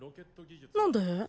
何で？